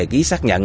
ký xác nhận